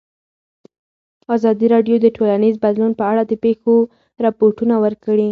ازادي راډیو د ټولنیز بدلون په اړه د پېښو رپوټونه ورکړي.